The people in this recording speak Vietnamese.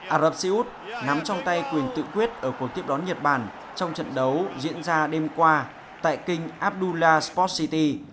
ả rập xê út nắm trong tay quyền tự quyết ở cuộc tiếp đón nhật bản trong trận đấu diễn ra đêm qua tại kinh abdullah sports city